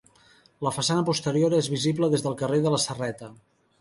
La façana posterior és visible des del carrer de la Serreta.